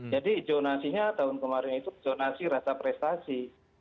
jadi jonasinya tahun kemarin itu jonasi rasa prestasi